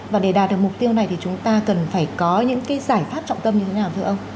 và để đạt được mục tiêu này thì chúng ta cần phải có những cái giải pháp trọng tâm như thế nào thưa ông